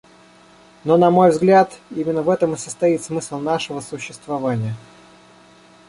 Но, на мой взгляд, именно в этом и состоит смысл нашего существования.